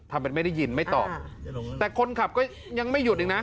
ทำเป็นไม่ได้ยินไม่ตอบแต่คนขับก็ยังไม่หยุดอีกนะ